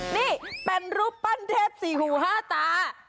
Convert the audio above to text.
นี่เป็นรูปปั้นเทพสี่หูห้าตา